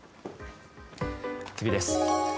次です。